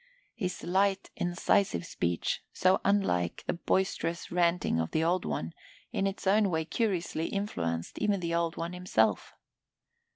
His light, incisive speech, so unlike the boisterous ranting of the Old One, in its own way curiously influenced even the Old One himself.